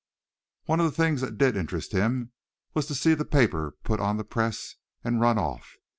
One of the things that did interest him was to see the paper put on the press and run off.